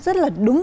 rất là đúng